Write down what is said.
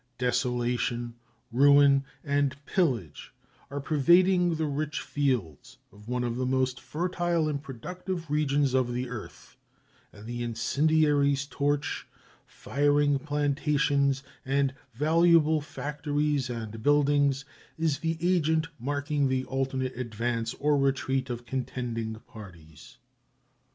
Desolation, ruin, and pillage are pervading the rich fields of one of the most fertile and productive regions of the earth, and the incendiary's torch, firing plantations and valuable factories and buildings, is the agent marking the alternate advance or retreat of contending parties.